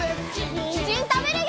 にんじんたべるよ！